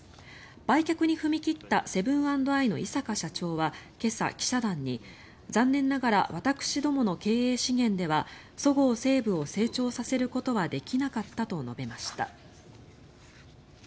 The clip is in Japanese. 売却に踏み切ったセブン＆アイの井阪社長は今朝、記者団に残念ながら私どもの経営資源ではそごう・西武を成長させることはできなかったと述べました。